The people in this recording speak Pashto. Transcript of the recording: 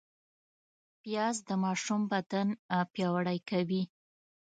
پیاز د ماشوم بدن پیاوړی کوي